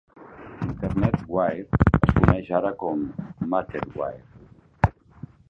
Internet Wire es coneix ara com Marketwire.